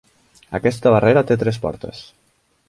Aquesta barrera té tres portes.